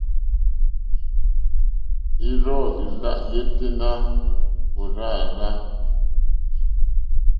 Ì rzô lá yêténá ò rzá àrzá.